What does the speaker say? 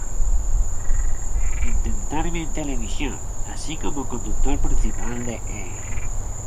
Entertainment Televisión, así como conductor principal de E!